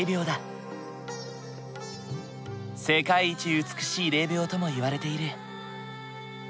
世界一美しい霊びょうともいわれている。